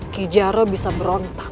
kijaro bisa berontak